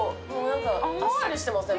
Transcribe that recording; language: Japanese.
あっさりしてません？